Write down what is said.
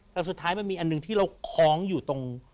แต่สุดท้ายมันมีอันหนึ่งที่เราคล้องอยู่ตรง